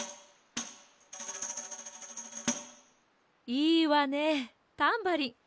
いいわねタンバリン。